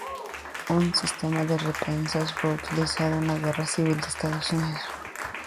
Un sistema de recompensas fue utilizado en la Guerra Civil de los Estados Unidos.